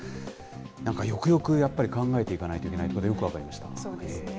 なんかよくよくやっぱり考えていかないといけないということが、そうですね。